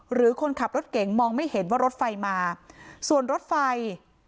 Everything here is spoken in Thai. หรือคนขับรถเก่งมองไม่เห็นว่ารถไฟมาส่วนรถไฟ